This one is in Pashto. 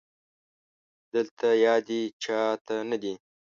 دلته يادې چا ته نه دي